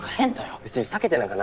別に避けてなんかないよ。